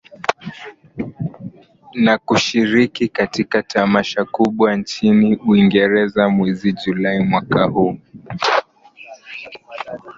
na kushiriki katika Tamasha kubwa nchini Uingereza mwezi Julai mwaka huu Ilikuwa ni mara